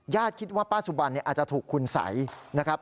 คิดว่าป้าสุบันอาจจะถูกคุณสัยนะครับ